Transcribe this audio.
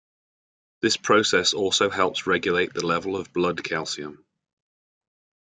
This process also helps regulate the level of blood calcium.